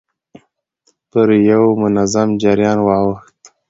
پر يوه منظم جريان واوښت.